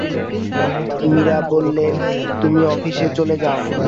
মীরা বললেন, তুমি অফিসে চলে যাও।